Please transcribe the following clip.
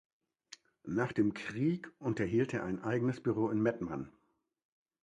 Nach dem Krieg unterhielt er ein eigenes Büro in Mettmann.